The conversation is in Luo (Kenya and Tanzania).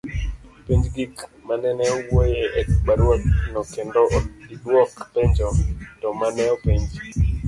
penj gik manene owuoye e barua no kendo idwok penjo to mane openji